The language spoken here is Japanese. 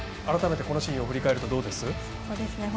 改めてこのシーンを振り返るとどうです？